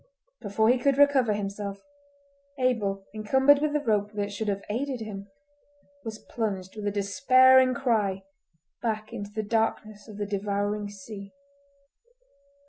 Before he could recover himself, Abel encumbered with the rope that should have aided him, was plunged with a despairing cry back into the darkness of the devouring sea.